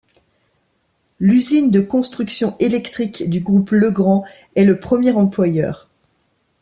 L'usine de construction électrique du groupe Legrand est le premier employeur.